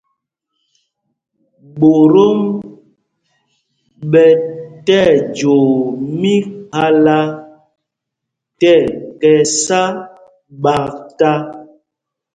Ɓotom ɓɛ tí ɛjoo míkphālā tí ɛkɛ sá ɓaktá.